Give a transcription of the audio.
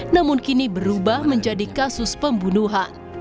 namun kini berubah menjadi kasus pembunuhan